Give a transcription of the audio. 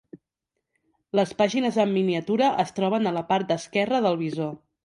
Les pàgines en miniatura es troben a la part esquerra del visor.